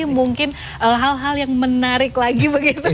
mungkin hal hal yang menarik lagi begitu